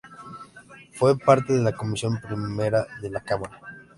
Fue parte de la Comisión Primera de la Cámara.